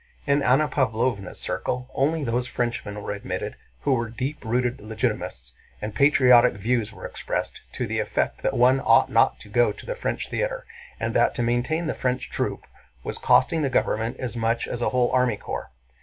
In Anna Pávlovna's circle only those Frenchmen were admitted who were deep rooted legitimists, and patriotic views were expressed to the effect that one ought not to go to the French theater and that to maintain the French troupe was costing the government as much as a whole army corps.